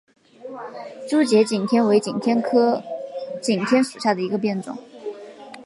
珠节景天为景天科景天属下的一个变种。